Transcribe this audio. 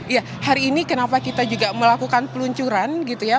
ya hari ini kenapa kita juga melakukan peluncuran gitu ya